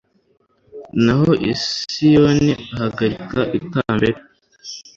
naho i siyoni ahagira ikambere